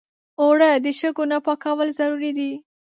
اوړه د شګو نه پاکول ضروري دي